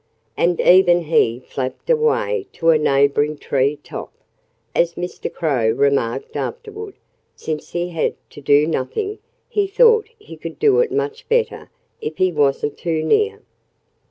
And even he flapped away to a neighboring tree top. As Mr. Crow remarked afterward, since he had to do nothing, he thought he could do it much better if he wasn't too near.